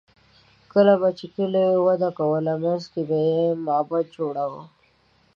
کله به چې کلي وده کوله، منځ کې به یې معبد جوړاوه.